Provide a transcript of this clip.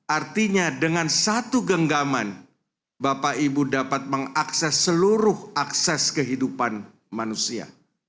artinya dengan satu genggaman bapak ibu dapat mengakses seluruh akses kehidupan manusia